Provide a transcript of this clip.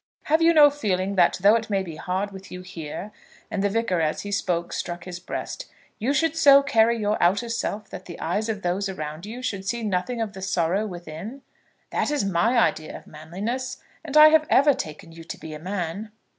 Have you no feeling that, though it may be hard with you here," and the Vicar, as he spoke, struck his breast, "you should so carry your outer self, that the eyes of those around you should see nothing of the sorrow within? That is my idea of manliness, and I have ever taken you to be a man."